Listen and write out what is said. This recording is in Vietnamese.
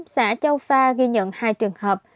xã châu pha ghi nhận hai trường hợp